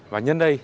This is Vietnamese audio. và nhân đây